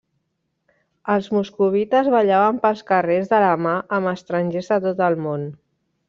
Els moscovites ballaven pels carrers de la mà amb estrangers de tot el món.